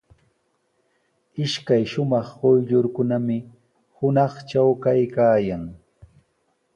Ishkay shumaq quyllurkunami hunaqtraw kaykaayan.